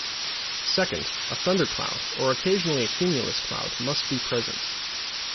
Second, a thundercloud, or occasionally a cumulus cloud, must be present.